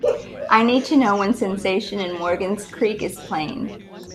I need to know when Sensation in Morgan’s Creek is playing